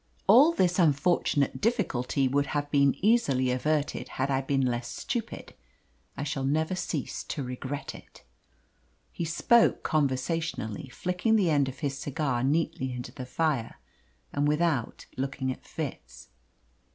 "All this unfortunate difficulty would have been easily averted had I been less stupid. I shall never cease to regret it." He spoke conversationally, flicking the end of his cigar neatly into the fire, and without looking at Fitz.